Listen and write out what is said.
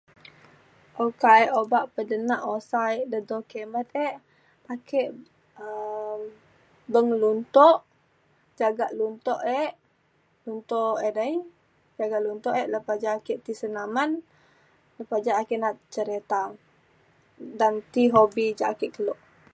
oka ek obak pedenak usa e dedo kimet e ake um beng luntok jagak luntok e untuk edei tiga luntok e lepa ja ake ti senaman lepa ja ake na’at cerita dan ti hobi ja ake kelo